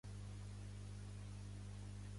A l’Escola Normal començà com a ajudat de Dibuix.